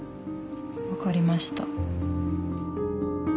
分かりました。